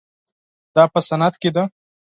دا په صنعت کې ده.